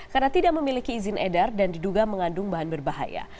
karena tidak memiliki izin edar dan diduga mengandung bahan berbahaya